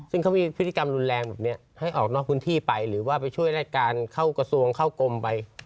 ซึ่งเขามีพฤติกรรมรุนแรงแบบนี้ให้ออกนอกพื้นที่ไปหรือว่าไปช่วยรายการเข้ากระทรวงเข้ากรมไป